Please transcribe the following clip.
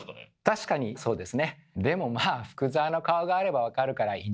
確かにそうですね。